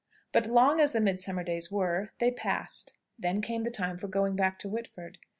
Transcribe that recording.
But long as the midsummer days were, they passed. Then came the time for going back to Whitford.